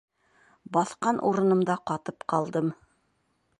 Баҫҡан урынымда ҡатып ҡалдым.